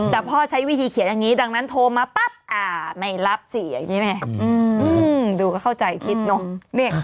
แต่พ่อใช้วิธีเขียนอย่างนี้ดังนั้นโทรมาปั๊บไม่รับสิอย่างนี้แม่ดูก็เข้าใจคิดเนอะ